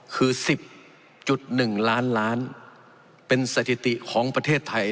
คือ๑๐๑ล้านล้านเป็นสถิติของประเทศไทย